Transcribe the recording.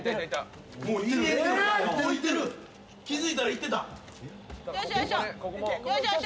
・気付いたら行ってた。